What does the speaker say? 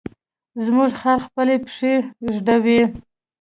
زموږ خر خپلې پښې ږدوي.